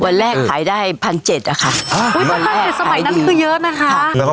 วันแรกขายได้๑๗๐๐อะค่ะ